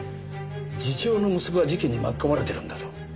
次長の息子が事件に巻き込まれてるんだぞ。